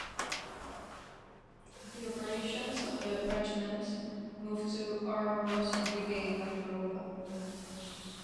The operations of the regiment moved to Armoured Brigade at Parola.